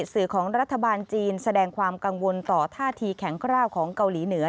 สื่อของรัฐบาลจีนแสดงความกังวลต่อท่าทีแข็งกล้าวของเกาหลีเหนือ